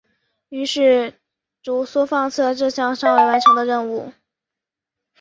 于是卢梭放弃了这项尚未完成的任务。